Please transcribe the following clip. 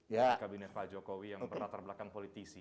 dari kabinet pak jokowi yang berlatar belakang politisi